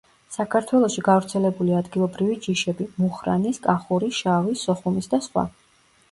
საქართველოში გავრცელებული ადგილობრივი ჯიშები: „მუხრანის“, „კახური“, „შავი“, „სოხუმის“ და სხვა.